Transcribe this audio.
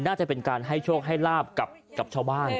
น่าจะเป็นการให้โชคให้ลาบกับชาวบ้าน